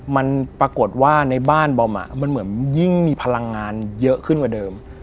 มันปรากฏว่าในบ้านบอมมันเหมือนยิ่งมีพลังงานเยอะขึ้นกว่าเดิม